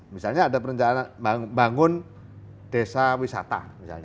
misalnya ada perencanaan bangun desa wisata